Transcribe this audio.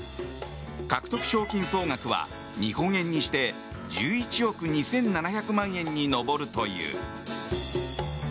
獲得賞金総額は日本円にして１１億２７００万円に上るという。